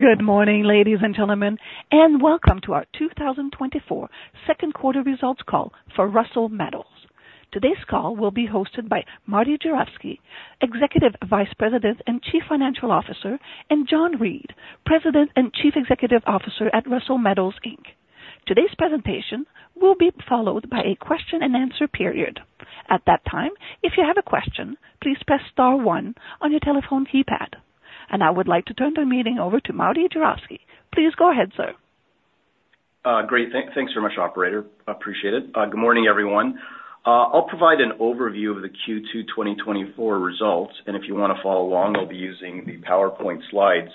Good morning, ladies and gentlemen, and welcome to our 2024 second quarter results call for Russel Metals. Today's call will be hosted by Marty Juravsky, Executive Vice President and Chief Financial Officer, and John Reid, President and Chief Executive Officer at Russel Metals, Inc. Today's presentation will be followed by a question and answer period. At that time, if you have a question, please press star one on your telephone keypad. I would like to turn the meeting over to Marty Juravsky. Please go ahead, sir. Great. Thanks very much, Operator. Appreciate it. Good morning, everyone. I'll provide an overview of the Q2 2024 results, and if you want to follow along, I'll be using the PowerPoint slides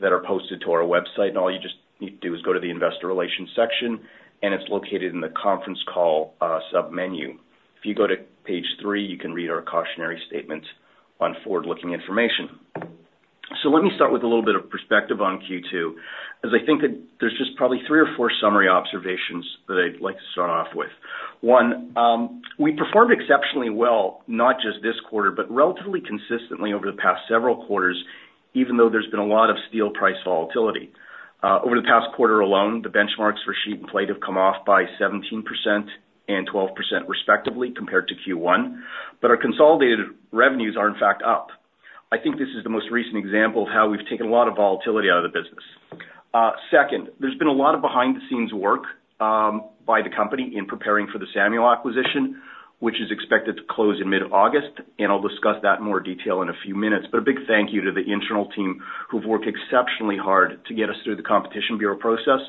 that are posted to our website. All you just need to do is go to the Investor Relations section, and it's located in the conference call submenu. If you go to page 3, you can read our cautionary statements on forward-looking information. Let me start with a little bit of perspective on Q2, as I think that there's just probably 3 or 4 summary observations that I'd like to start off with. One, we performed exceptionally well, not just this quarter, but relatively consistently over the past several quarters, even though there's been a lot of steel price volatility. Over the past quarter alone, the benchmarks for sheet and plate have come off by 17% and 12%, respectively, compared to Q1, but our consolidated revenues are, in fact, up. I think this is the most recent example of how we've taken a lot of volatility out of the business. Second, there's been a lot of behind-the-scenes work, by the company in preparing for the Samuel acquisition, which is expected to close in mid-August, and I'll discuss that in more detail in a few minutes. But a big thank you to the internal team who've worked exceptionally hard to get us through the Competition Bureau process,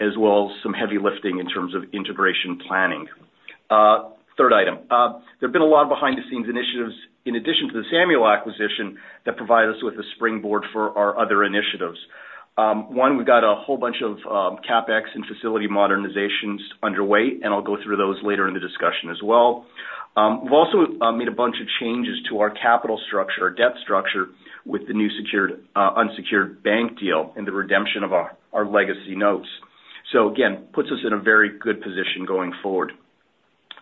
as well as some heavy lifting in terms of integration planning. Third item, there've been a lot of behind-the-scenes initiatives in addition to the Samuel acquisition that provide us with a springboard for our other initiatives. One, we've got a whole bunch of CapEx and facility modernizations underway, and I'll go through those later in the discussion as well. We've also made a bunch of changes to our capital structure, our debt structure, with the new secured, unsecured bank deal and the redemption of our legacy notes. So again, puts us in a very good position going forward.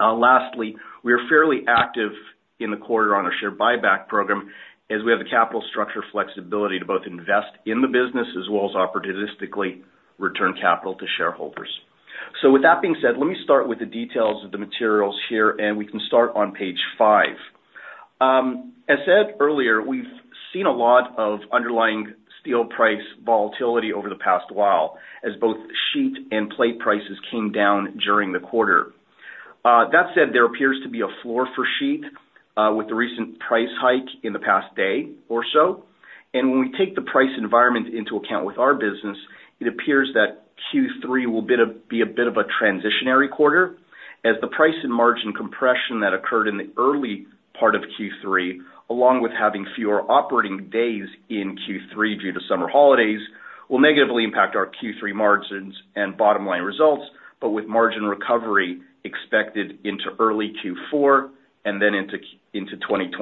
Lastly, we are fairly active in the quarter-on-a-share buyback program, as we have the capital structure flexibility to both invest in the business as well as opportunistically return capital to shareholders. So with that being said, let me start with the details of the materials here, and we can start on page five. As said earlier, we've seen a lot of underlying steel price volatility over the past while as both sheet and plate prices came down during the quarter. That said, there appears to be a floor for sheet, with the recent price hike in the past day or so. When we take the price environment into account with our business, it appears that Q3 will be a bit of a transitionary quarter, as the price and margin compression that occurred in the early part of Q3, along with having fewer operating days in Q3 due to summer holidays, will negatively impact our Q3 margins and bottom-line results, but with margin recovery expected into early Q4 and then into 2025.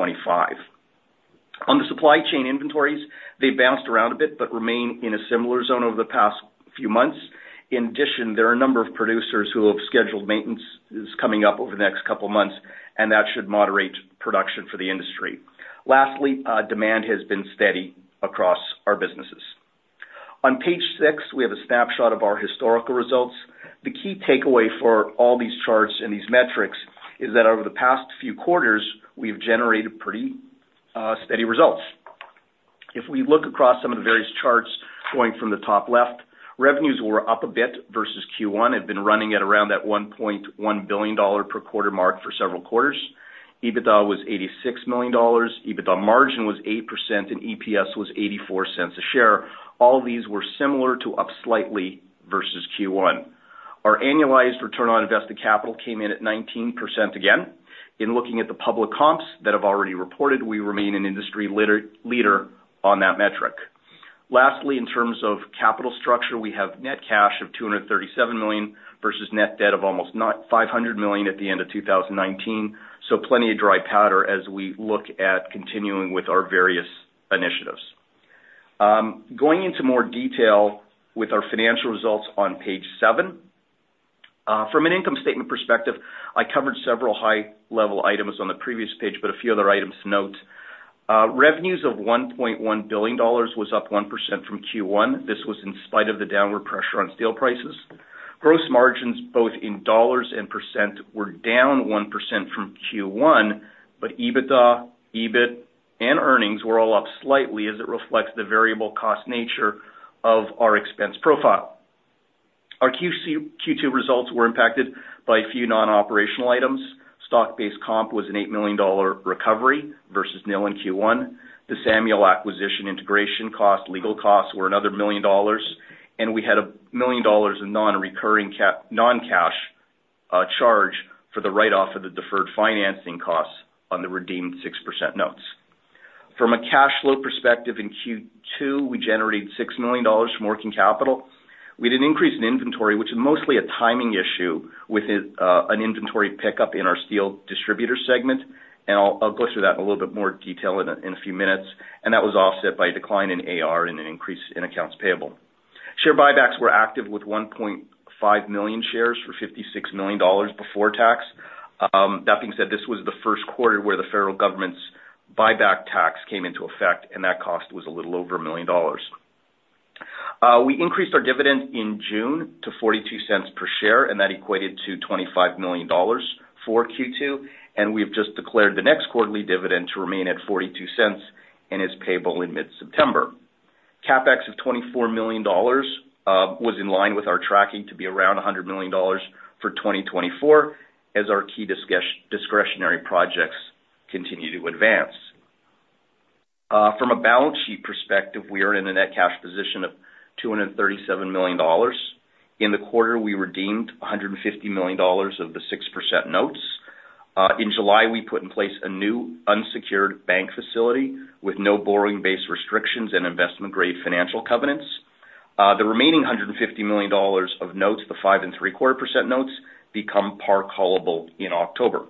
On the supply chain inventories, they bounced around a bit but remain in a similar zone over the past few months. In addition, there are a number of producers who have scheduled maintenance coming up over the next couple of months, and that should moderate production for the industry. Lastly, demand has been steady across our businesses. On page six, we have a snapshot of our historical results. The key takeaway for all these charts and these metrics is that over the past few quarters, we've generated pretty steady results. If we look across some of the various charts going from the top left, revenues were up a bit versus Q1. It had been running at around that 1.1 billion dollar per quarter mark for several quarters. EBITDA was 86 million dollars. EBITDA margin was 8%, and EPS was 0.84 a share. All these were similar to up slightly versus Q1. Our annualized return on invested capital came in at 19% again. In looking at the public comps that have already reported, we remain an industry leader on that metric. Lastly, in terms of capital structure, we have net cash of 237 million versus net debt of almost 500 million at the end of 2019, so plenty of dry powder as we look at continuing with our various initiatives. Going into more detail with our financial results on page 7, from an income statement perspective, I covered several high-level items on the previous page, but a few other items to note. Revenues of 1.1 billion dollars was up 1% from Q1. This was in spite of the downward pressure on steel prices. Gross margins, both in dollars and percent, were down 1% from Q1, but EBITDA, EBIT, and earnings were all up slightly as it reflects the variable cost nature of our expense profile. Our Q2 results were impacted by a few non-operational items. Stock-based comp was an 8 million dollar recovery versus nil in Q1. The Samuel acquisition integration cost, legal costs, were another 1 million dollars, and we had 1 million dollars of non-recurring CapEx, non-cash, charge for the write-off of the deferred financing costs on the redeemed 6% notes. From a cash flow perspective, in Q2, we generated 6 million dollars from working capital. We had an increase in inventory, which is mostly a timing issue with, an inventory pickup in our steel distributor segment, and I'll, I'll go through that in a little bit more detail in a few minutes. And that was offset by a decline in AR and an increase in accounts payable. Share buybacks were active with 1.5 million shares for 56 million dollars before tax. That being said, this was the first quarter where the federal government's buyback tax came into effect, and that cost was a little over 1 million dollars. We increased our dividend in June to $0.42 per share, and that equated to $25 million for Q2. We have just declared the next quarterly dividend to remain at $0.42 and is payable in mid-September. CapEx of $24 million was in line with our tracking to be around $100 million for 2024 as our key discretionary projects continue to advance. From a balance sheet perspective, we are in a net cash position of $237 million. In the quarter, we redeemed $150 million of the 6% notes. In July, we put in place a new unsecured bank facility with no borrowing-based restrictions and investment-grade financial covenants. The remaining $150 million of notes, the 5.75% notes, become par callable in October.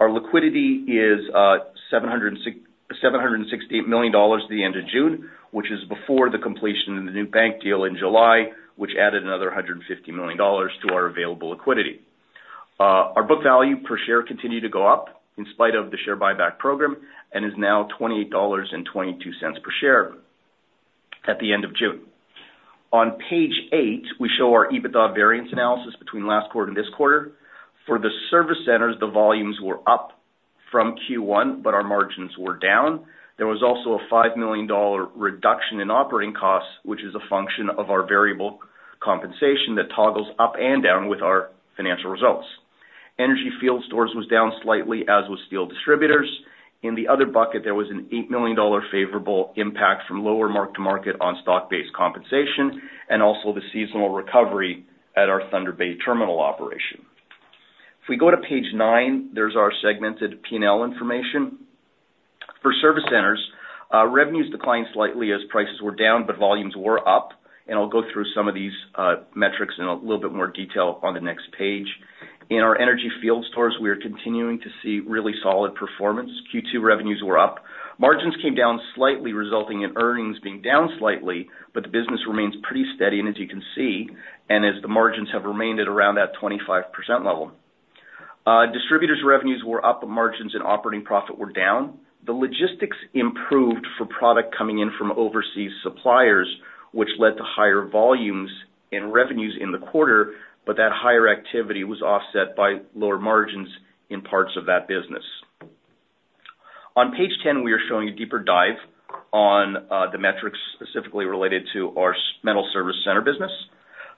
Our liquidity is CAD 760, 768 million dollars at the end of June, which is before the completion of the new bank deal in July, which added another 150 million dollars to our available liquidity. Our book value per share continued to go up in spite of the share buyback program and is now 28.22 dollars per share at the end of June. On page eight, we show our EBITDA variance analysis between last quarter and this quarter. For the service centers, the volumes were up from Q1, but our margins were down. There was also a 5 million dollar reduction in operating costs, which is a function of our variable compensation that toggles up and down with our financial results. Energy field stores was down slightly, as was steel distributors. In the other bucket, there was an $8 million favorable impact from lower mark-to-market on stock-based compensation and also the seasonal recovery at our Thunder Bay terminal operation. If we go to page nine, there's our segmented P&L information. For service centers, revenues declined slightly as prices were down, but volumes were up, and I'll go through some of these metrics in a little bit more detail on the next page. In our energy products, we are continuing to see really solid performance. Q2 revenues were up. Margins came down slightly, resulting in earnings being down slightly, but the business remains pretty steady, and as you can see, the margins have remained at around that 25% level. Distributors' revenues were up, but margins and operating profit were down. The logistics improved for product coming in from overseas suppliers, which led to higher volumes and revenues in the quarter, but that higher activity was offset by lower margins in parts of that business. On page 10, we are showing a deeper dive on the metrics specifically related to our metal service center business.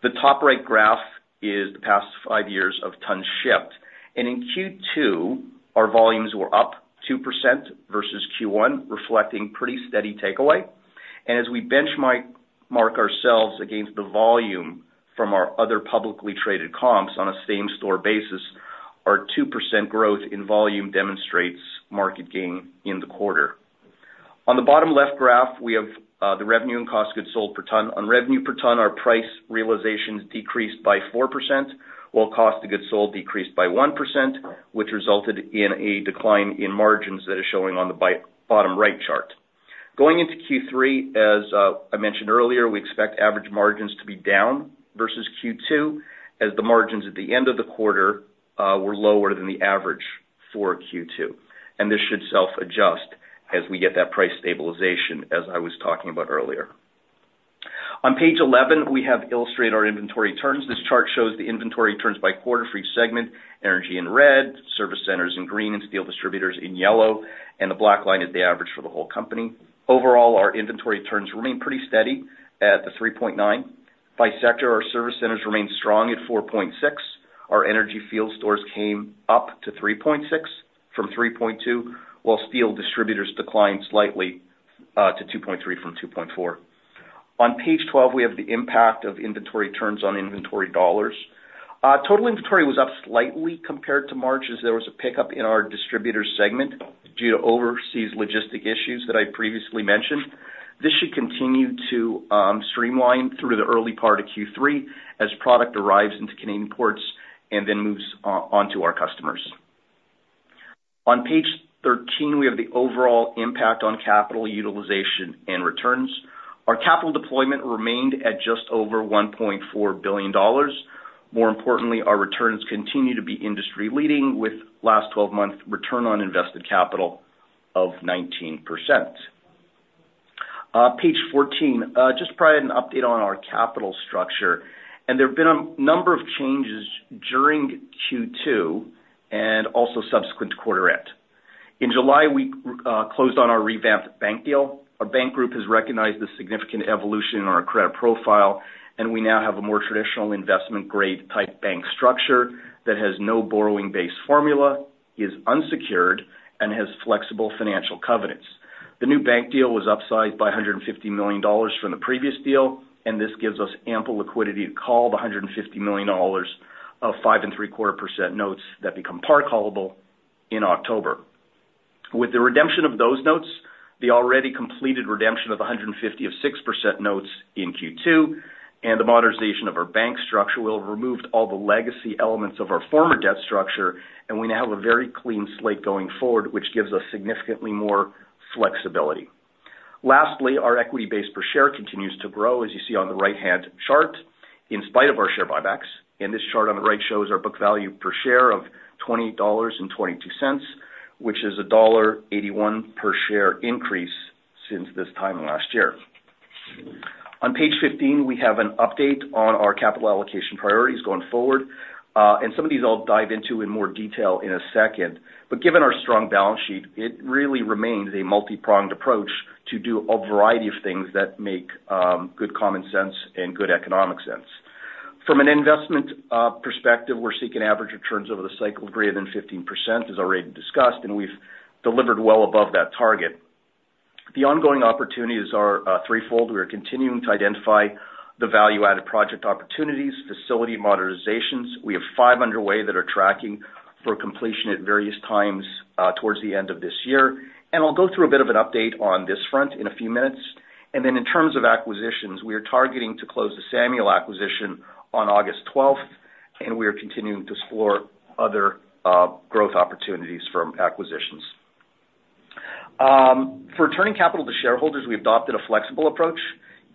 The top right graph is the past five years of tons shipped, and in Q2, our volumes were up 2% versus Q1, reflecting pretty steady takeaway. As we benchmark ourselves against the volume from our other publicly traded comps on a same-store basis, our 2% growth in volume demonstrates market gain in the quarter. On the bottom left graph, we have the revenue and cost of goods sold per ton. On revenue per ton, our price realizations decreased by 4%, while cost of goods sold decreased by 1%, which resulted in a decline in margins that is showing on the bottom right chart. Going into Q3, as, I mentioned earlier, we expect average margins to be down versus Q2, as the margins at the end of the quarter, were lower than the average for Q2, and this should self-adjust as we get that price stabilization, as I was talking about earlier. On page 11, we have illustrated our inventory turns. This chart shows the inventory turns by quarter for each segment: energy in red, service centers in green, and steel distributors in yellow, and the black line is the average for the whole company. Overall, our inventory turns remain pretty steady at the 3.9. By sector, our service centers, remained strong at 4.6. Our energy products came up to 3.6 from 3.2, while steel distributors declined slightly, to 2.3 from 2.4. On page 12, we have the impact of inventory turns on inventory dollars. Total inventory was up slightly compared to March as there was a pickup in our distributor segment due to overseas logistics issues that I previously mentioned. This should continue to streamline through the early part of Q3 as product arrives into Canadian ports and then moves onto our customers. On page 13, we have the overall impact on capital utilization and returns. Our capital deployment remained at just over $1.4 billion. More importantly, our returns continue to be industry-leading, with last 12 months' return on invested capital of 19%. Page 14 just provided an update on our capital structure, and there have been a number of changes during Q2 and also subsequent quarter end. In July, we closed on our revamped bank deal. Our bank group has recognized the significant evolution in our credit profile, and we now have a more traditional investment-grade type bank structure that has no borrowing-based formula, is unsecured, and has flexible financial covenants. The new bank deal was upsized by $150 million from the previous deal, and this gives us ample liquidity to call the $150 million of 5.75% notes that become par callable in October. With the redemption of those notes, the already completed redemption of the $150 million of 6% notes in Q2, and the modernization of our bank structure will have removed all the legacy elements of our former debt structure, and we now have a very clean slate going forward, which gives us significantly more flexibility. Lastly, our equity base per share continues to grow, as you see on the right-hand chart, in spite of our share buybacks. This chart on the right shows our book value per share of $28.22, which is a $1.81 per share increase since this time last year. On page 15, we have an update on our capital allocation priorities going forward, and some of these I'll dive into in more detail in a second. Given our strong balance sheet, it really remains a multi-pronged approach to do a variety of things that make good common sense and good economic sense. From an investment perspective, we're seeking average returns over the cycle of greater than 15%, as already discussed, and we've delivered well above that target. The ongoing opportunities are threefold. We are continuing to identify the value-added project opportunities, facility modernizations. We have 5 underway that are tracking for completion at various times, towards the end of this year. I'll go through a bit of an update on this front in a few minutes. Then in terms of acquisitions, we are targeting to close the Samuel acquisition on August 12th, and we are continuing to explore other, growth opportunities from acquisitions. For turning capital to shareholders, we adopted a flexible approach.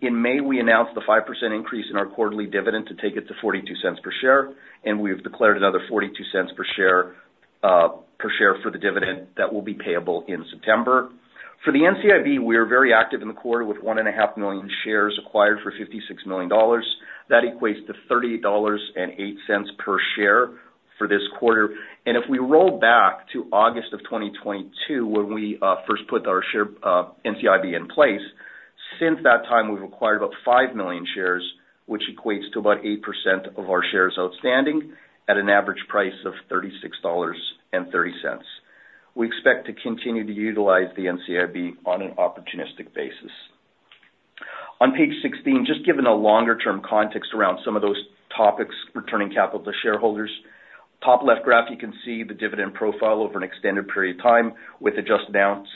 In May, we announced the 5% increase in our quarterly dividend to take it to $0.42 per share, and we have declared another $0.42 per share, per share for the dividend that will be payable in September. For the NCIB, we are very active in the quarter with 1.5 million shares acquired for $56 million. That equates to $38.08 per share for this quarter. If we roll back to August of 2022, when we first put our share NCIB in place, since that time, we've acquired about 5 million shares, which equates to about 8% of our shares outstanding at an average price of 36.30 dollars. We expect to continue to utilize the NCIB on an opportunistic basis. On page 16, just given a longer-term context around some of those topics, returning capital to shareholders, top left graph, you can see the dividend profile over an extended period of time with a just announced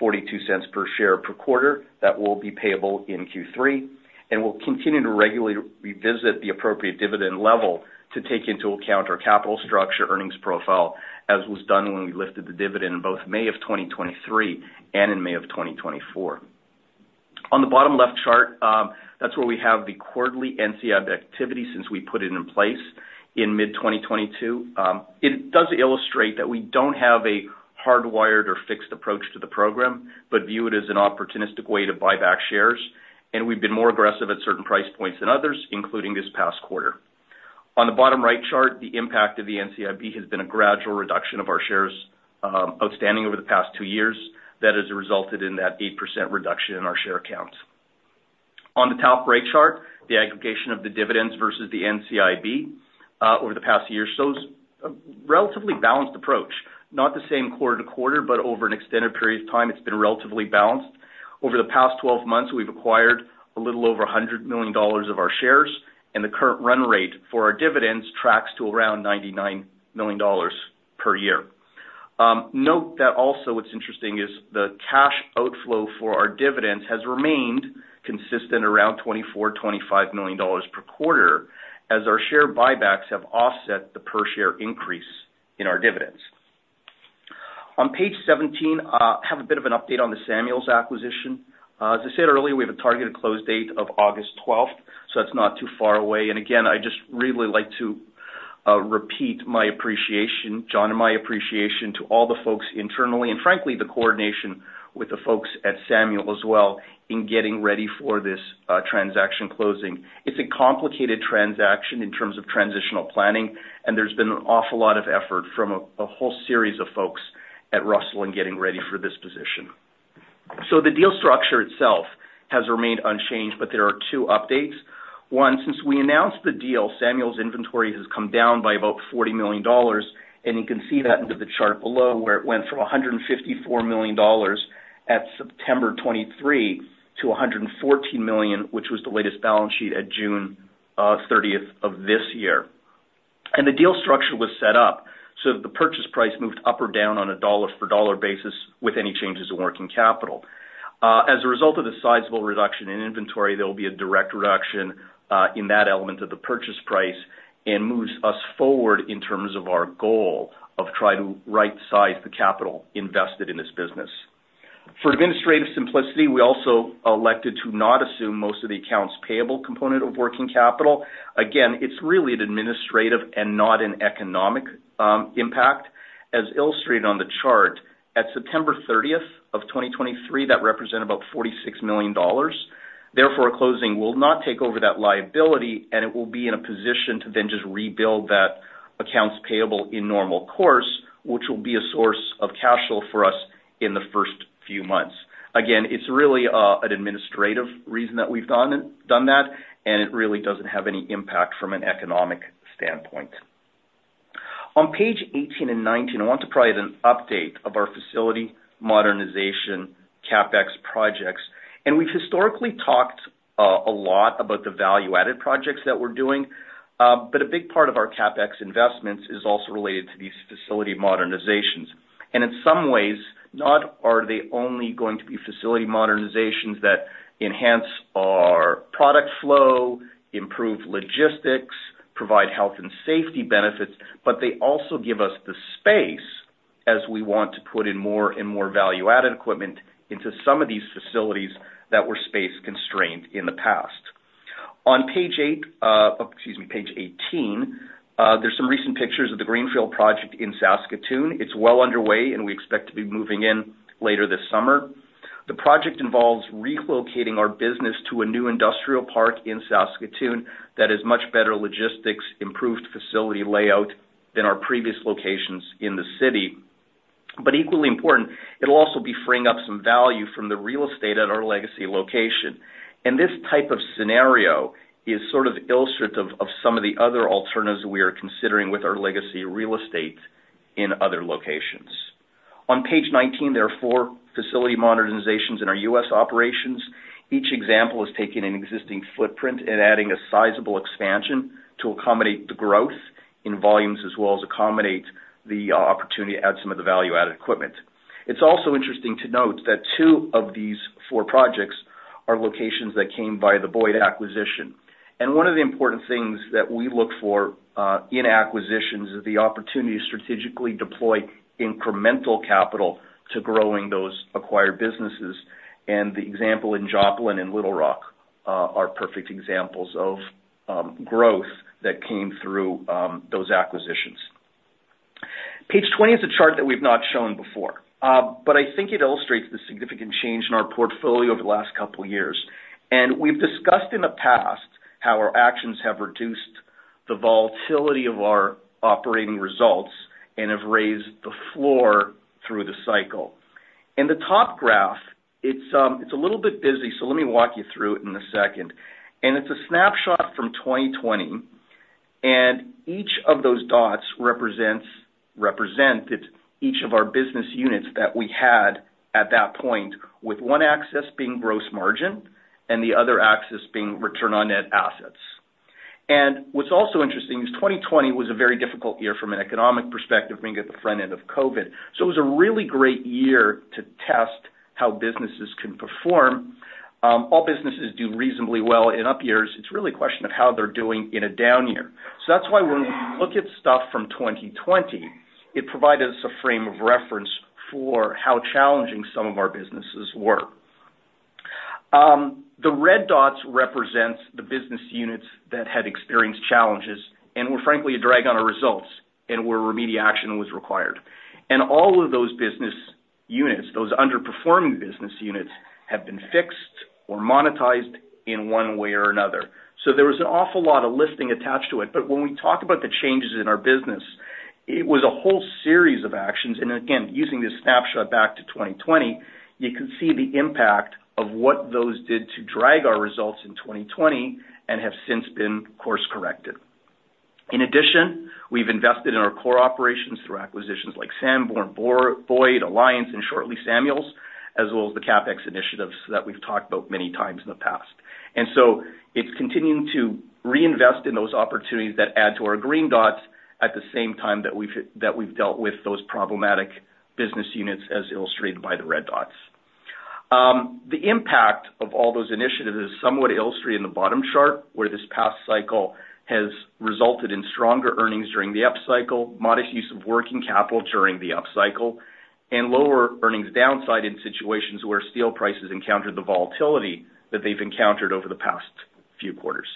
0.42 per share per quarter that will be payable in Q3. We'll continue to regularly revisit the appropriate dividend level to take into account our capital structure earnings profile, as was done when we lifted the dividend in both May of 2023 and in May of 2024. On the bottom left chart, that's where we have the quarterly NCIB activity since we put it in place in mid-2022. It does illustrate that we don't have a hardwired or fixed approach to the program, but view it as an opportunistic way to buy back shares, and we've been more aggressive at certain price points than others, including this past quarter. On the bottom right chart, the impact of the NCIB has been a gradual reduction of our shares outstanding over the past two years that has resulted in that 8% reduction in our share count. On the top right chart, the aggregation of the dividends versus the NCIB over the past year or so is a relatively balanced approach. Not the same quarter to quarter, but over an extended period of time, it's been relatively balanced. Over the past 12 months, we've acquired a little over $100 million of our shares, and the current run rate for our dividends tracks to around $99 million per year. Note that also what's interesting is the cash outflow for our dividends has remained consistent around $24-$25 million per quarter, as our share buybacks have offset the per share increase in our dividends. On page 17, I have a bit of an update on the Samuel's acquisition. As I said earlier, we have a targeted close date of August 12th, so that's not too far away. And again, I just really like to repeat my appreciation, John, and my appreciation to all the folks internally and, frankly, the coordination with the folks at Samuel as well in getting ready for this transaction closing. It's a complicated transaction in terms of transitional planning, and there's been an awful lot of effort from a whole series of folks at Russel in getting ready for this position. So the deal structure itself has remained unchanged, but there are two updates. One, since we announced the deal, Samuel's inventory has come down by about $40 million, and you can see that into the chart below where it went from $154 million at September 23 to $114 million, which was the latest balance sheet at June 30th of this year. The deal structure was set up so that the purchase price moved up or down on a dollar-for-dollar basis with any changes in working capital. As a result of the sizable reduction in inventory, there will be a direct reduction in that element of the purchase price and moves us forward in terms of our goal of trying to right-size the capital invested in this business. For administrative simplicity, we also elected to not assume most of the accounts payable component of working capital. Again, it's really an administrative and not an economic impact. As illustrated on the chart, at September 30th of 2023, that represented about $46 million. Therefore, closing will not take over that liability, and it will be in a position to then just rebuild that accounts payable in normal course, which will be a source of cash flow for us in the first few months. Again, it's really an administrative reason that we've done that, and it really doesn't have any impact from an economic standpoint. On page 18 and 19, I want to provide an update of our facility modernization CapEx projects. And we've historically talked a lot about the value-added projects that we're doing, but a big part of our CapEx investments is also related to these facility modernizations. And in some ways, not are they only going to be facility modernizations that enhance our product flow, improve logistics, provide health and safety benefits, but they also give us the space as we want to put in more and more value-added equipment into some of these facilities that were space-constrained in the past. On page 8, excuse me, page 18, there's some recent pictures of the Greenfield project in Saskatoon. It's well underway, and we expect to be moving in later this summer. The project involves relocating our business to a new industrial park in Saskatoon that has much better logistics, improved facility layout than our previous locations in the city. But equally important, it'll also be freeing up some value from the real estate at our legacy location. And this type of scenario is sort of illustrative of some of the other alternatives we are considering with our legacy real estate in other locations. On page 19, there are four facility modernizations in our U.S. operations. Each example is taking an existing footprint and adding a sizable expansion to accommodate the growth in volumes as well as accommodate the opportunity to add some of the value-added equipment. It's also interesting to note that two of these four projects are locations that came via the Boyd acquisition. One of the important things that we look for in acquisitions is the opportunity to strategically deploy incremental capital to growing those acquired businesses. The example in Joplin and Little Rock are perfect examples of growth that came through those acquisitions. Page 20 is a chart that we've not shown before, but I think it illustrates the significant change in our portfolio over the last couple of years. We've discussed in the past how our actions have reduced the volatility of our operating results and have raised the floor through the cycle. In the top graph, it's a little bit busy, so let me walk you through it in a second. It's a snapshot from 2020, and each of those dots represents each of our business units that we had at that point, with one axis being Gross Margin and the other axis being return on net assets. What's also interesting is 2020 was a very difficult year from an economic perspective, being at the front end of COVID. So it was a really great year to test how businesses can perform. All businesses do reasonably well in up years. It's really a question of how they're doing in a down year. So that's why when we look at stuff from 2020, it provided us a frame of reference for how challenging some of our businesses were. The red dots represent the business units that had experienced challenges and were, frankly, a drag on our results and where remedial action was required. All of those business units, those underperforming business units, have been fixed or monetized in one way or another. There was an awful lot of listing attached to it. When we talk about the changes in our business, it was a whole series of actions. Again, using this snapshot back to 2020, you can see the impact of what those did to drag our results in 2020 and have since been course-corrected. In addition, we've invested in our core operations through acquisitions like Samuel, Borne, Boyd, Alliance, and shortly Samuel's, as well as the CapEx initiatives that we've talked about many times in the past. It's continuing to reinvest in those opportunities that add to our green dots at the same time that we've dealt with those problematic business units, as illustrated by the red dots. The impact of all those initiatives is somewhat illustrated in the bottom chart, where this past cycle has resulted in stronger earnings during the upcycle, modest use of working capital during the upcycle, and lower earnings downside in situations where steel prices encountered the volatility that they've encountered over the past few quarters.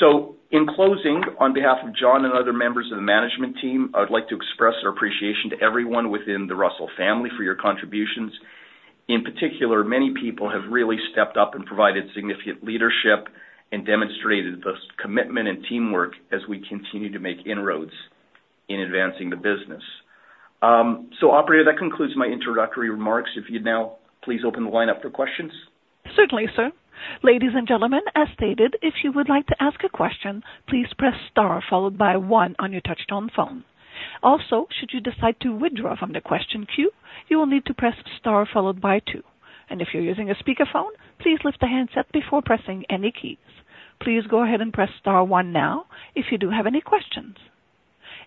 So in closing, on behalf of John and other members of the management team, I'd like to express our appreciation to everyone within the Russel family for your contributions. In particular, many people have really stepped up and provided significant leadership and demonstrated the commitment and teamwork as we continue to make inroads in advancing the business. So operator, that concludes my introductory remarks. If you'd now please open the line up for questions. Certainly, sir. Ladies and gentlemen, as stated, if you would like to ask a question, please press star followed by one on your touch-tone phone. Also, should you decide to withdraw from the question queue, you will need to press star followed by two. And if you're using a speakerphone, please lift the handset before pressing any keys. Please go ahead and press star one now if you do have any questions.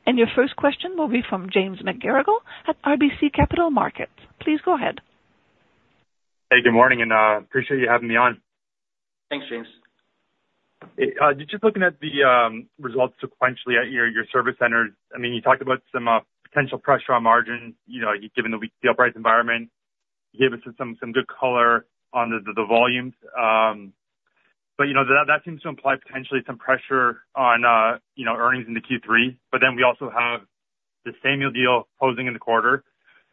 And your first question will be from James McGarragle at RBC Capital Markets. Please go ahead. Hey, good morning and, appreciate you having me on. Thanks, James. Just looking at the results sequentially at your, your service centers, I mean, you talked about some potential pressure on margin, you know, given the weak steel price environment. You gave us some, some good color on the, the volumes. But, you know, that, that seems to imply potentially some pressure on, you know, earnings in the Q3. But then we also have the Samuel deal closing in the quarter.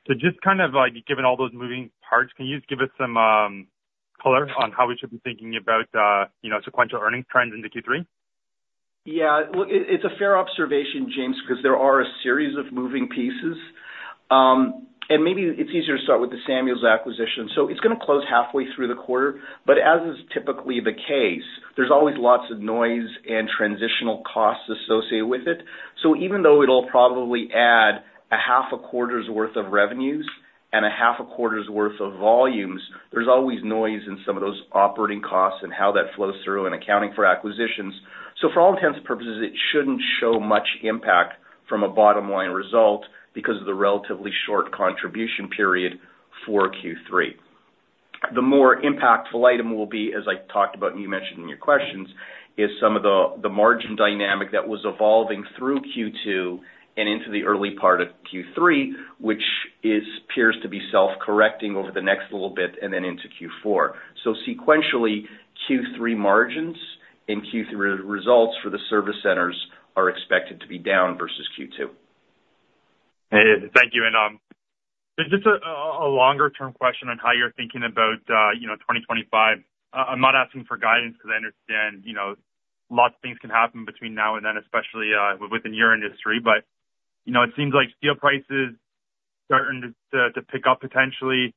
So just kind of, like, given all those moving parts, can you just give us some color on how we should be thinking about, you know, sequential earnings trends in the Q3? Yeah, well, it's a fair observation, James, because there are a series of moving pieces. And maybe it's easier to start with the Samuel's acquisition. So it's going to close halfway through the quarter, but as is typically the case, there's always lots of noise and transitional costs associated with it. So even though it'll probably add a half a quarter's worth of revenues and a half a quarter's worth of volumes, there's always noise in some of those operating costs and how that flows through in accounting for acquisitions. So for all intents and purposes, it shouldn't show much impact from a bottom-line result because of the relatively short contribution period for Q3. The more impactful item will be, as I talked about and you mentioned in your questions, some of the margin dynamic that was evolving through Q2 and into the early part of Q3, which appears to be self-correcting over the next little bit and then into Q4. So sequentially, Q3 margins and Q3 results for the service centers are expected to be down versus Q2. Thank you. And just a longer-term question on how you're thinking about, you know, 2025. I'm not asking for guidance because I understand, you know, lots of things can happen between now and then, especially within your industry. But, you know, it seems like steel prices starting to pick up potentially,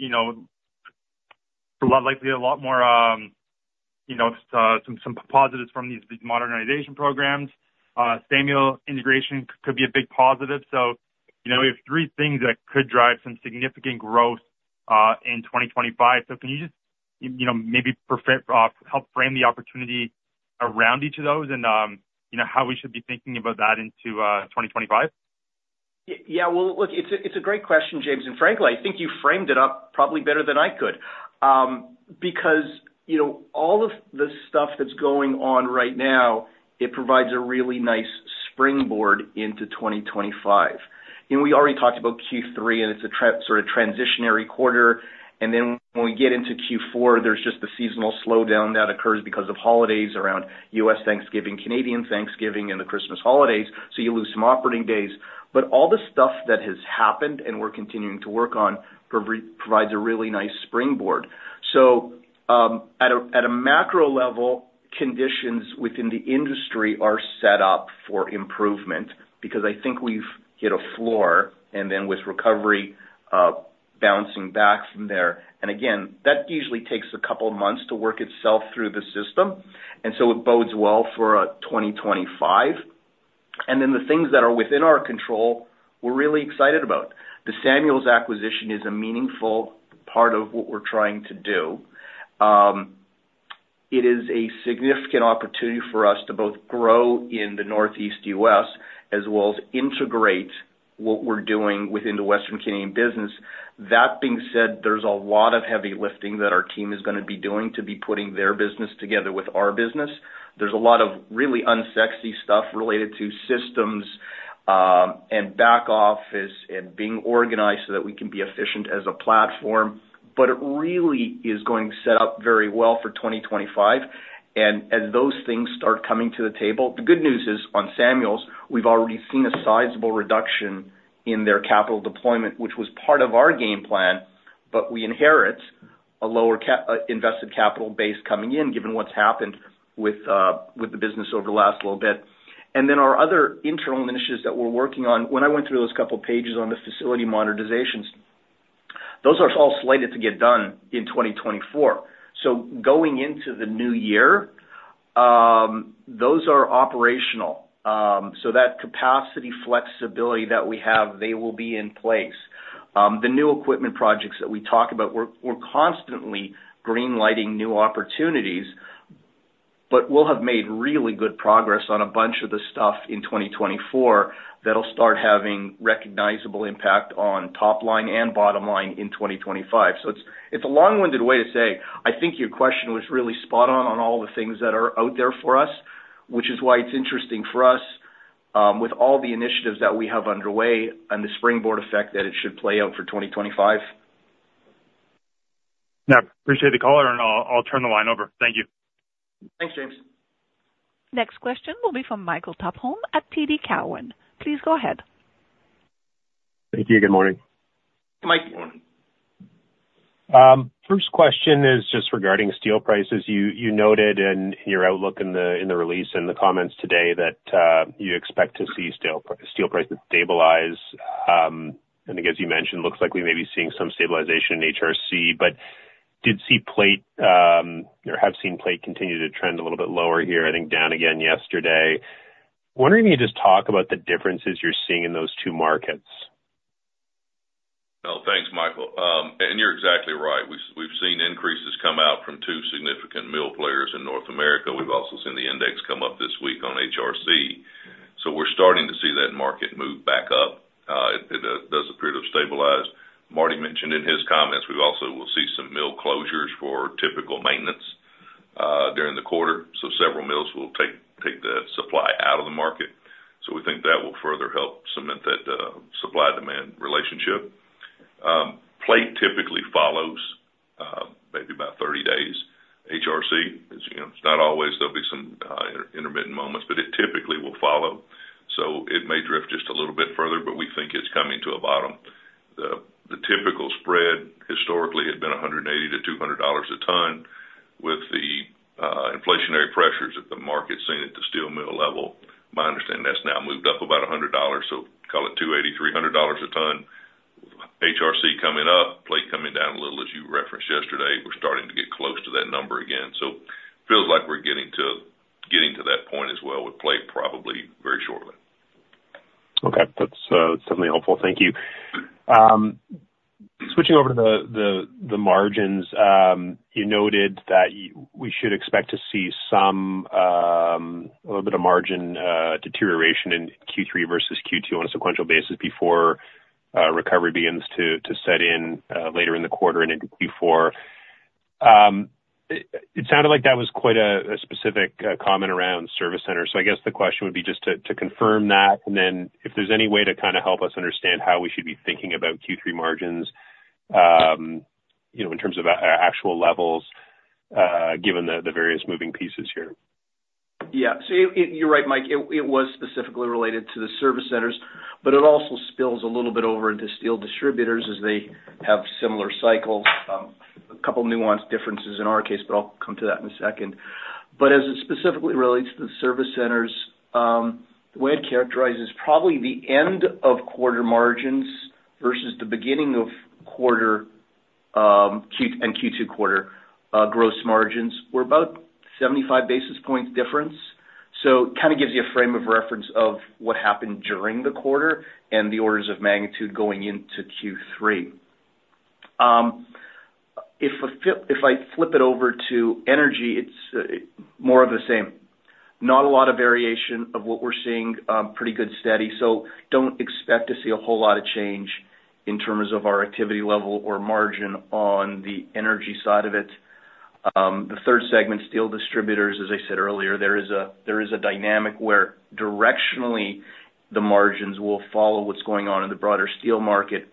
you know, likely a lot more, you know, some positives from these modernization programs. Samuel integration could be a big positive. So, you know, we have three things that could drive some significant growth in 2025. So can you just, you know, maybe help frame the opportunity around each of those and, you know, how we should be thinking about that into 2025? Yeah, well, look, it's a great question, James. And frankly, I think you framed it up probably better than I could, because, you know, all of the stuff that's going on right now, it provides a really nice springboard into 2025. You know, we already talked about Q3, and it's a sort of transitional quarter. Then when we get into Q4, there's just the seasonal slowdown that occurs because of holidays around U.S. Thanksgiving, Canadian Thanksgiving, and the Christmas holidays. So you lose some operating days. But all the stuff that has happened and we're continuing to work on provides a really nice springboard. So, at a macro level, conditions within the industry are set up for improvement because I think we've hit a floor and then with recovery, bouncing back from there. And again, that usually takes a couple of months to work itself through the system. And so it bodes well for 2025. And then the things that are within our control, we're really excited about. The Samuel's acquisition is a meaningful part of what we're trying to do. It is a significant opportunity for us to both grow in the Northeast U.S. as well as integrate what we're doing within the Western Canadian business. That being said, there's a lot of heavy lifting that our team is going to be doing to be putting their business together with our business. There's a lot of really unsexy stuff related to systems, and back office and being organized so that we can be efficient as a platform. But it really is going to set up very well for 2025. And as those things start coming to the table, the good news is on Samuel's, we've already seen a sizable reduction in their capital deployment, which was part of our game plan, but we inherit a lower invested capital base coming in, given what's happened with, with the business over the last little bit. And then our other internal initiatives that we're working on, when I went through those couple of pages on the facility modernizations, those are all slated to get done in 2024. So going into the new year, those are operational, so that capacity flexibility that we have, they will be in place. The new equipment projects that we talk about, we're, we're constantly greenlighting new opportunities, but we'll have made really good progress on a bunch of the stuff in 2024 that'll start having recognizable impact on top line and bottom line in 2025. So it's, it's a long-winded way to say, I think your question was really spot on on all the things that are out there for us, which is why it's interesting for us, with all the initiatives that we have underway and the springboard effect that it should play out for 2025. Yeah, appreciate the call, and I'll, I'll turn the line over. Thank you. Thanks, James. Next question will be from Michael Tuph; lme at TD Cowen. Please go ahead. Thank you. Good morning. Good morning. First question is just regarding steel prices. You, you noted in your outlook in the, in the release and the comments today that, you expect to see steel, steel prices stabilize. And I guess you mentioned it looks like we may be seeing some stabilization in HRC, but did see plate, or have seen plate continue to trend a little bit lower here. I think down again yesterday. Wondering if you could just talk about the differences you're seeing in those two markets. Oh, thanks, Michael. And you're exactly right. We've, we've seen increases come out from two significant mill players in North America. We've also seen the index come up this week on HRC. So we're starting to see that market move back up. It does appear to have stabilized. Marty mentioned in his comments, we also will see some mill closures for typical maintenance, during the quarter. So several mills will take the supply out of the market. So we think that will further help cement that, supply-demand relationship. Plate typically follows, maybe about 30 days. HRC is, you know, it's not always there'll be some, intermittent moments, but it typically will follow. So it may drift just a little bit further, but we think it's coming to a bottom. The typical spread historically had been $180-$200 a ton with the, inflationary pressures that the market's seen at the steel mill level. My understanding that's now moved up about $100, so call it $280-$300 a ton. HRC coming up, Plate coming down a little as you referenced yesterday. We're starting to get close to that number again. So it feels like we're getting to, getting to that point as well with plate probably very shortly. Okay. That's, that's definitely helpful. Thank you. Switching over to the margins, you noted that we should expect to see some, a little bit of margin, deterioration in Q3 versus Q2 on a sequential basis before, recovery begins to set in, later in the quarter and into Q4. It sounded like that was quite a specific comment around service centers. So I guess the question would be just to confirm that and then if there's any way to kind of help us understand how we should be thinking about Q3 margins, you know, in terms of actual levels, given the various moving pieces here. Yeah. So you're right, Mike. It was specifically related to the service centers, but it also spills a little bit over into steel distributors as they have similar cycles. A couple of nuanced differences in our case, but I'll come to that in a second. But as it specifically relates to the service centers, the way it characterizes probably the end of quarter margins versus the beginning of quarter, Q1 and Q2 quarter, gross margins were about 75 basis points difference. So it kind of gives you a frame of reference of what happened during the quarter and the orders of magnitude going into Q3. If I flip it over to energy, it's more of the same. Not a lot of variation of what we're seeing, pretty good steady. So don't expect to see a whole lot of change in terms of our activity level or margin on the energy side of it. The third segment, steel distributors, as I said earlier, there is a dynamic where directionally the margins will follow what's going on in the broader steel market.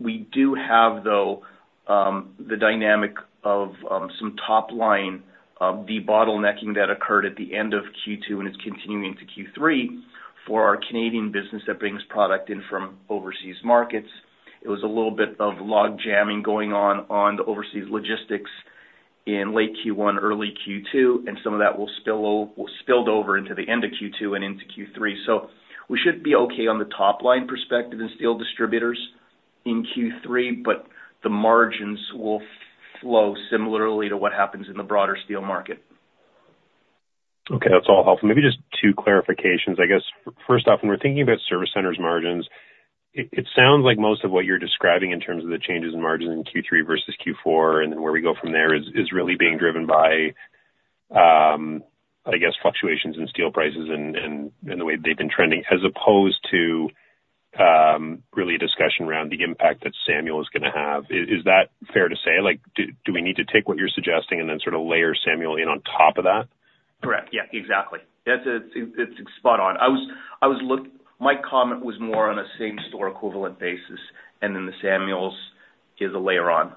We do have though the dynamic of some top line debottlenecking that occurred at the end of Q2 and is continuing to Q3 for our Canadian business that brings product in from overseas markets. It was a little bit of log jamming going on on the overseas logistics in late Q1, early Q2, and some of that will spill over, spilled over into the end of Q2 and into Q3. So we should be okay on the top line perspective in steel distributors in Q3, but the margins will flow similarly to what happens in the broader steel market. Okay. That's all helpful. Maybe just two clarifications. I guess first off, when we're thinking about service centers margins, it sounds like most of what you're describing in terms of the changes in margins in Q3 versus Q4 and then where we go from there is really being driven by, I guess, fluctuations in steel prices and, and, and the way they've been trending as opposed to really a discussion around the impact that Samuel is going to have. Is that fair to say? Like, do we need to take what you're suggesting and then sort of layer Samuel in on top of that? Correct. Yeah, exactly. That's it. It's spot on. I was looking, my comment was more on a same-store equivalent basis, and then the Samuels is a layer on.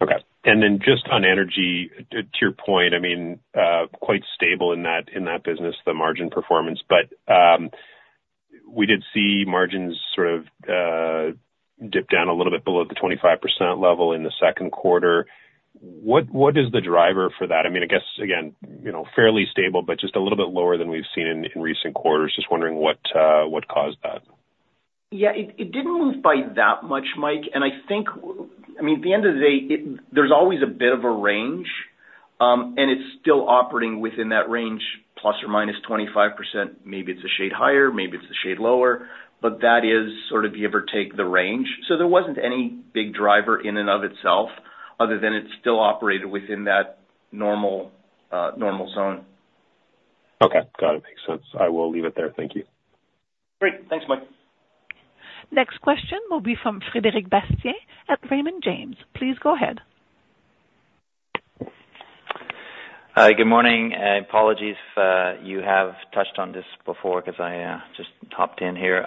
Okay. And then just on energy, to your point, I mean, quite stable in that business, the margin performance, but we did see margins sort of dip down a little bit below the 25% level in the second quarter. What is the driver for that? I mean, I guess, again, you know, fairly stable, but just a little bit lower than we've seen in recent quarters. Just wondering what caused that? Yeah. It didn't move by that much, Mike. And I think, I mean, at the end of the day, there's always a bit of a range, and it's still operating within that range, ±25%. Maybe it's a shade higher, maybe it's a shade lower, but that is sort of, give or take, the range. So there wasn't any big driver in and of itself other than it still operated within that normal, normal zone. Okay. Got it. Makes sense. I will leave it there. Thank you. Great. Thanks, Mike. Next question will be from Frédéric Bastien at Raymond James. Please go ahead. Hi, good morning. Apologies if you have touched on this before because I just hopped in here.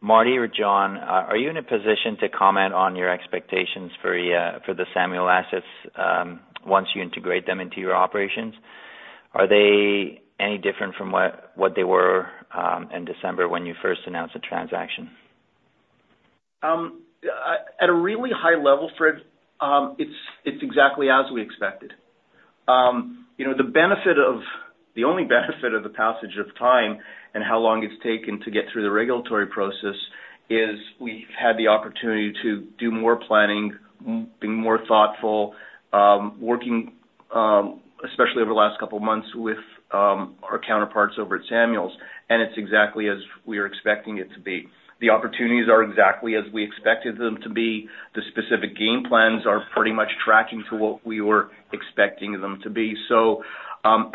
Marty or John, are you in a position to comment on your expectations for, for the Samuel assets, once you integrate them into your operations? Are they any different from what, what they were, in December when you first announced the transaction At a really high level, Fred, it's, it's exactly as we expected. You know, the benefit of, the only benefit of the passage of time and how long it's taken to get through the regulatory process is we've had the opportunity to do more planning, being more thoughtful, working, especially over the last couple of months with our counterparts over at Samuel's, and it's exactly as we are expecting it to be. The opportunities are exactly as we expected them to be. The specific game plans are pretty much tracking to what we were expecting them to be. So,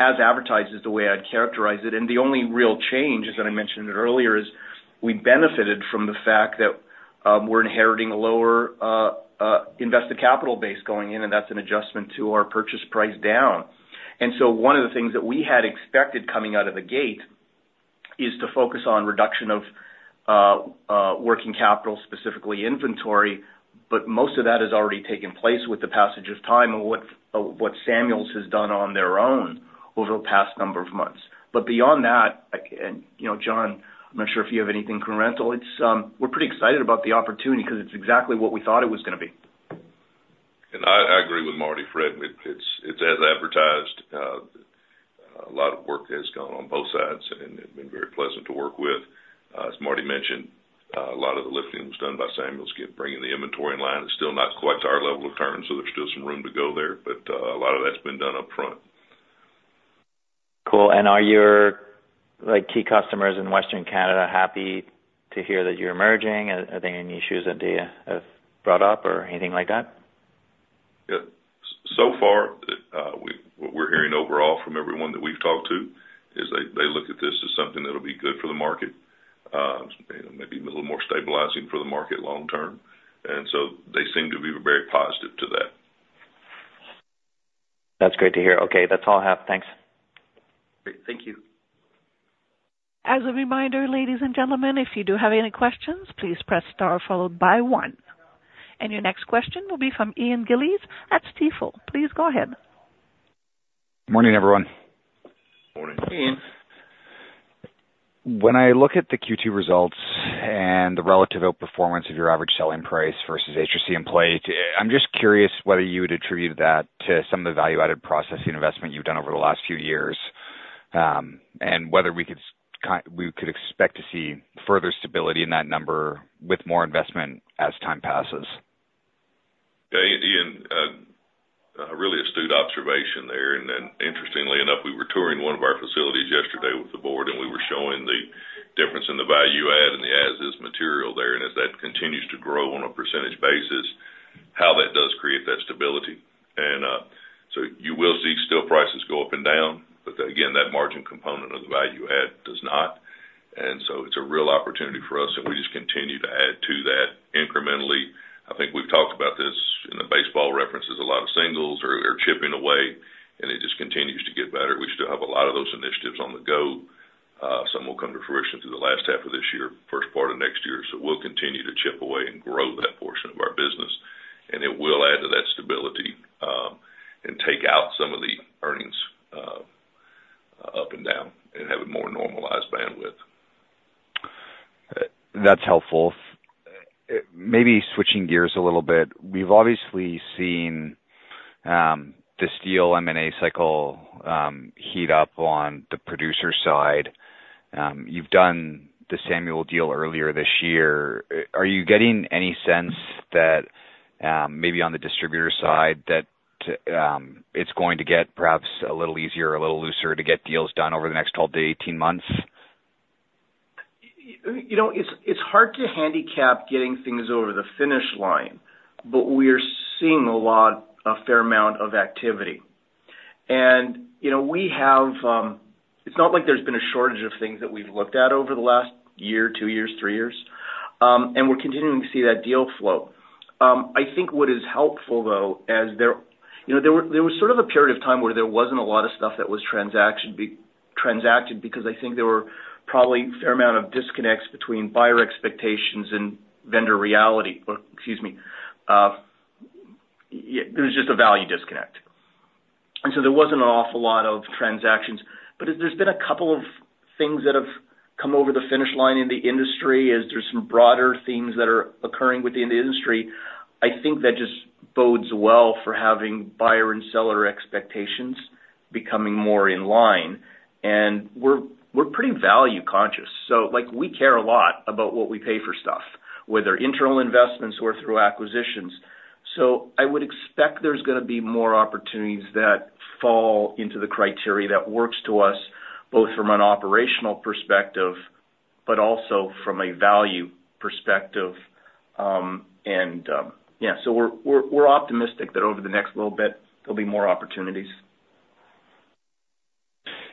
as advertised is the way I'd characterize it. And the only real change, as I mentioned earlier, is we benefited from the fact that we're inheriting a lower invested capital base going in, and that's an adjustment to our purchase price down. And so one of the things that we had expected coming out of the gate is to focus on reduction of working capital, specifically inventory, but most of that has already taken place with the passage of time and what, what Samuel's has done on their own over the past number of months. But beyond that, and you know, John, I'm not sure if you have anything to add. It's, we're pretty excited about the opportunity because it's exactly what we thought it was going to be. And I, I agree with Marty, Fred. It's, it's as advertised. A lot of work has gone on both sides, and it's been very pleasant to work with. As Marty mentioned, a lot of the lifting was done by Samuel's. Bringing the inventory in line is still not quite to our level of turn, so there's still some room to go there, but a lot of that's been done upfront. Cool. And are your, like, key customers in Western Canada happy to hear that you're emerging? Are there any issues that they have brought up or anything like that? Yeah. So far, what we're hearing overall from everyone that we've talked to is they, they look at this as something that'll be good for the market, you know, maybe a little more stabilizing for the market long term. And so they seem to be very positive to that. That's great to hear. Okay. That's all I have. Thanks. Great. Thank you. As a reminder, ladies and gentlemen, if you do have any questions, please press star followed by one. And your next question will be from Ian Gillies at Stifel. Please go ahead. Morning, everyone. Morning, Ian. When I look at the Q2 results and the relative outperformance of your average selling price versus HRC and plate, I'm just curious whether you would attribute that to some of the value-added processing investment you've done over the last few years, and whether we could kind of, we could expect to see further stability in that number with more investment as time passes. Yeah. Ian, really astute observation there. And then, interestingly enough, we were touring one of our facilities yesterday with the board, and we were showing the difference in the value-add and the as-is material there. And as that continues to grow on a percentage basis, how that does create that stability. And, so you will see steel prices go up and down, but again, that margin component of the value-add does not. So it's a real opportunity for us, and we just continue to add to that incrementally. I think we've talked about this in the baseball references, a lot of singles are chipping away, and it just continues to get better. We still have a lot of those initiatives on the go. Some will come to fruition through the last half of this year, first part of next year. So we'll continue to chip away and grow that portion of our business, and it will add to that stability, and take out some of the earnings up and down and have a more normalized bandwidth. That's helpful. Maybe switching gears a little bit. We've obviously seen the steel M&A cycle heat up on the producer side. You've done the Samuel deal earlier this year. Are you getting any sense that, maybe on the distributor side that, it's going to get perhaps a little easier, a little looser to get deals done over the next 12-18 months? You know, it's, it's hard to handicap getting things over the finish line, but we are seeing a lot, a fair amount of activity. And, you know, we have, it's not like there's been a shortage of things that we've looked at over the last year, 2 years, 3 years, and we're continuing to see that deal flow. I think what is helpful though, as there, you know, there was, there was sort of a period of time where there wasn't a lot of stuff that was transacted because I think there were probably a fair amount of disconnects between buyer expectations and vendor reality or, excuse me, there was just a value disconnect. So there wasn't an awful lot of transactions, but there's been a couple of things that have come over the finish line in the industry as there's some broader themes that are occurring within the industry. I think that just bodes well for having buyer and seller expectations becoming more in line. And we're pretty value conscious. So, like, we care a lot about what we pay for stuff, whether internal investments or through acquisitions. So I would expect there's going to be more opportunities that fall into the criteria that works to us both from an operational perspective, but also from a value perspective. And, yeah, so we're optimistic that over the next little bit, there'll be more opportunities.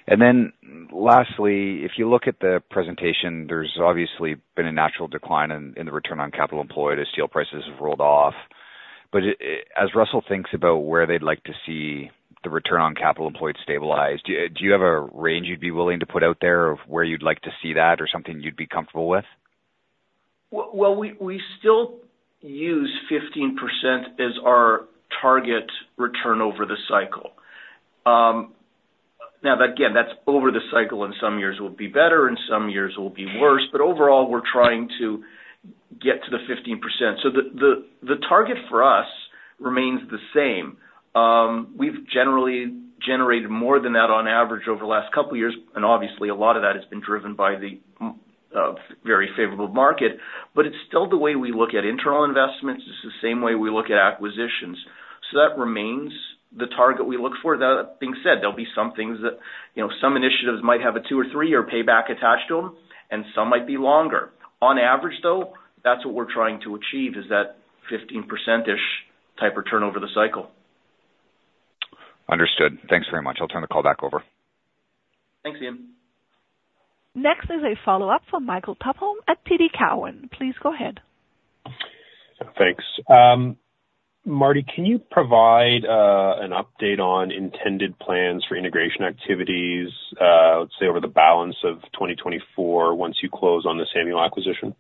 And then lastly, if you look at the presentation, there's obviously been a natural decline in the return on capital employed as steel prices have rolled off. But as Russel thinks about where they'd like to see the return on capital employed stabilized, do you have a range you'd be willing to put out there of where you'd be comfortable with? Well, we, we still use 15% as our target return over the cycle. Now, again, that's over the cycle and some years will be better and some years will be worse, but overall, we're trying to get to the 15%. So the target for us remains the same. We've generally generated more than that on average over the last couple of years, and obviously a lot of that has been driven by the very favorable market, but it's still the way we look at internal investments. It's the same way we look at acquisitions. So that remains the target we look for. That being said, there'll be some things that, you know, some initiatives might have a 2 or 3-year payback attached to them, and some might be longer. On average though, that's what we're trying to achieve is that 15%-ish type return over the cycle. Understood. Thanks very much. I'll turn the call back over. Thanks, Ian. Next is a follow-up from Michael Totholm at TD Cowen. Please go ahead. Thanks. Marty, can you provide an update on intended plans for integration activities, let's say over the balance of 2024 once you close on the Samuel acquisition?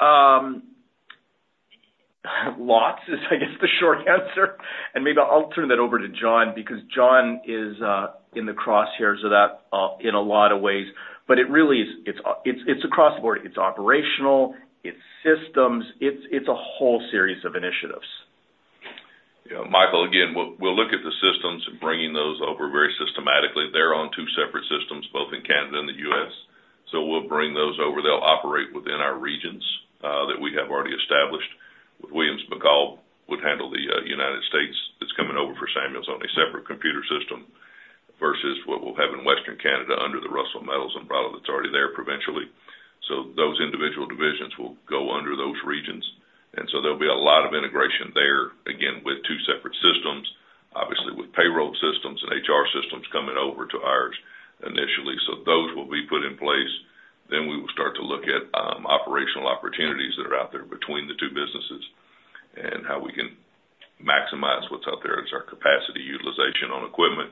Lots is, I guess, the short answer. And maybe I'll turn that over to John because John is in the crosshairs of that in a lot of ways, but it really is, it's across the board. It's operational, it's systems, it's a whole series of initiatives. Yeah. Michael, again, we'll look at the systems and bringing those over very systematically. They're on two separate systems, both in Canada and the U.S. So we'll bring those over. They'll operate within our regions that we have already established. Williams Bahcallwould handle the United States. It's coming over for Samuel's on a separate computer system versus what we'll have in Western Canada under the Russel Metals umbrella that's already there provincially. So those individual divisions will go under those regions. And so there'll be a lot of integration there, again, with two separate systems, obviously with payroll systems and HR systems coming over to ours initially. So those will be put in place. Then we will start to look at operational opportunities that are out there between the two businesses and how we can maximize what's out there as our capacity utilization on equipment.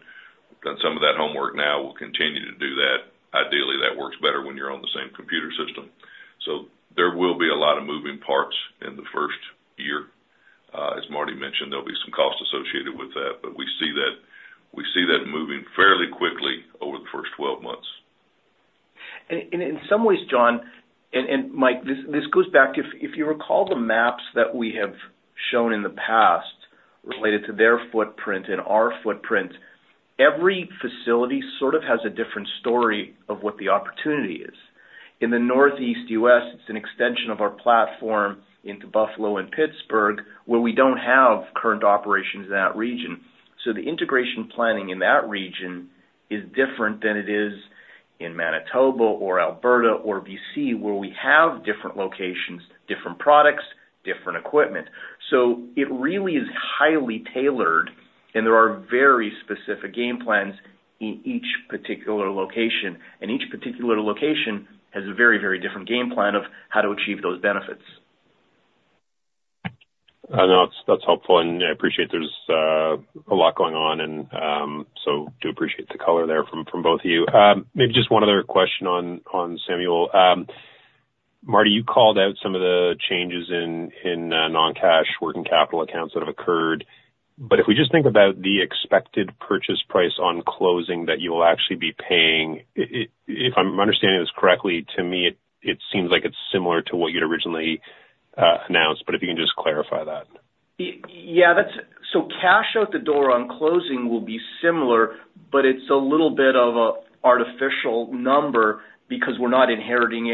We've done some of that homework now. We'll continue to do that. Ideally, that works better when you're on the same computer system. So there will be a lot of moving parts in the first year. As Marty mentioned, there'll be some cost associated with that, but we see that, we see that moving fairly quickly over the first 12 months. And in some ways, John, and Mike, this goes back to, if you recall the maps that we have shown in the past related to their footprint and our footprint, every facility sort of has a different story of what the opportunity is. In the Northeast U.S., it's an extension of our platform into Buffalo and Pittsburgh where we don't have current operations in that region. So the integration planning in that region is different than it is in Manitoba or Alberta or BC where we have different locations, different products, different equipment. So it really is highly tailored, and there are very specific game plans in each particular location. And each particular location has a very, very different game plan of how to achieve those benefits. I know that's helpful, and I appreciate there's a lot going on. So do appreciate the color there from both of you. Maybe just one other question on Samuel. Marty, you called out some of the changes in non-cash working capital accounts that have occurred, but if we just think about the expected purchase price on closing that you will actually be paying, if I'm understanding this correctly, to me, it seems like it's similar to what you'd originally announced, but if you can just clarify that. Yeah, that's the cash out the door on closing will be similar, but it's a little bit of an artificial number because we're not inheriting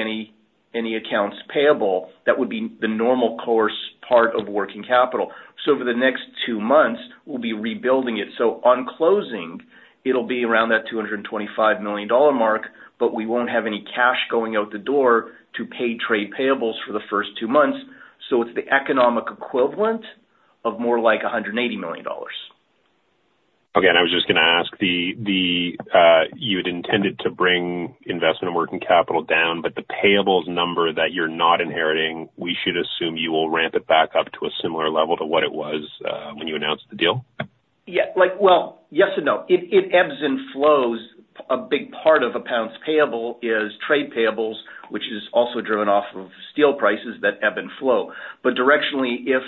any accounts payable. That would be the normal course part of working capital. So over the next two months, we'll be rebuilding it. So on closing, it'll be around that $225 million mark, but we won't have any cash going out the door to pay trade payables for the first two months. So it's the economic equivalent of more like $180 million. Okay. And I was just going to ask the you had intended to bring inventory and working capital down, but the payables number that you're not inheriting, we should assume you will ramp it back up to a similar level to what it was, when you announced the deal? Yeah. Like, well, yes and no. It, it ebbs and flows. A big part of accounts payable is trade payables, which is also driven off of steel prices that ebb and flow. But directionally, if,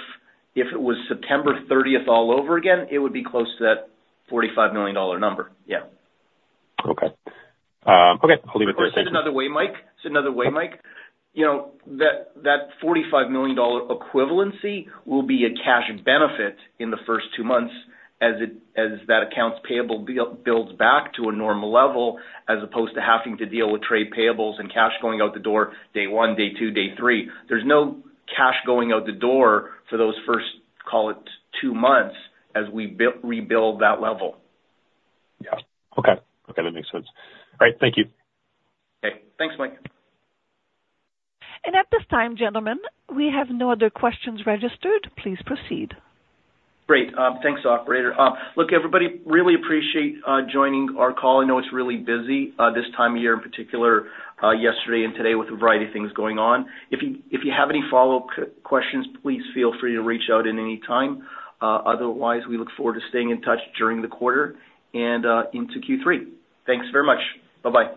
if it was September 30th all over again, it would be close to that $45 million number. Yeah. Okay. Okay. I'll leave it there. I'll say it another way, Mike. It's another way, Mike. You know, that, that $45 million equivalency will be a cash benefit in the first two months as it, as that accounts payable builds back to a normal level as opposed to having to deal with trade payables and cash going out the door day one, day two, day three. There's no cash going out the door for those first, call it two months as we rebuild that level. Yeah. Okay. Okay. That makes sense. All right. Thank you. Okay. Thanks, Mike. And at this time, gentlemen, we have no other questions registered. Please proceed. Great. Thanks, operator. Look, everybody really appreciate joining our call. I know it's really busy, this time of year in particular, yesterday and today with a variety of things going on. If you, if you have any follow-up questions, please feel free to reach out at any time. Otherwise, we look forward to staying in touch during the quarter and into Q3. Thanks very much. Bye-bye.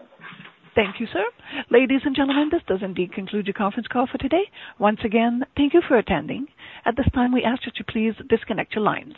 Thank you, sir. Ladies and gentlemen, this does indeed conclude your conference call for today. Once again, thank you for attending. At this time, we ask you to please disconnect your lines.